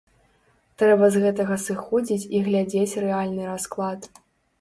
Трэба з гэтага сыходзіць і глядзець рэальны расклад.